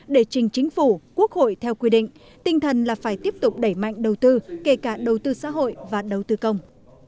để trình chính phủ quốc hội theo quy định tinh thần là phải tiếp tục đẩy mạnh đầu tư kể cả đầu tư xã hội và đầu tư công